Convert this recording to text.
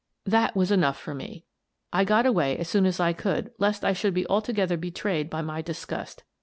That was enough for me. I got away as soon as I could lest I should be altogether betrayed by my disgust.